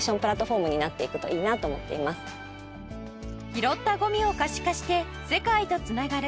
拾ったごみを可視化して世界とつながる